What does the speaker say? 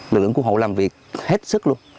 lực lượng cứu hộ làm việc hết sức luôn